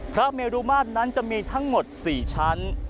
พระเมรุมาตรนั้นจะมีทั้งหมด๔ชั้น